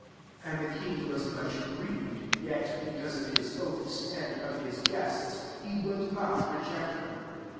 26 And the king was much grieved; yet^ because of his 3aths, and of his guests, he ifould not reject her.